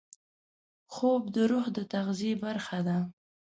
خوب د روح د تغذیې برخه ده